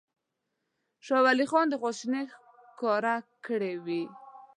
شاه ولي خان خواشیني ښکاره کړې وه.